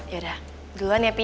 yaudah duluan ya pi